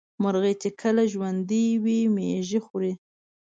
مرغۍ چې کله ژوندۍ وي مېږي خوري.